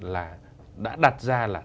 là đã đặt ra là